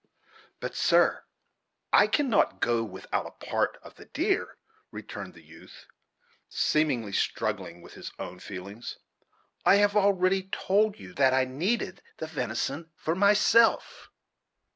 "But, sir, I cannot go without a part of the deer," returned the youth, seemingly struggling with his own feelings; "I have already told you that I needed the venison for myself."